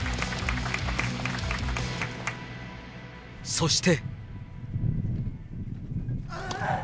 そして。